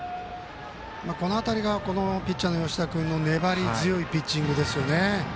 この辺り、ピッチャーの吉田君の粘り強いピッチングですね。